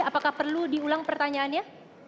apakah perlu diulang pertanyaannya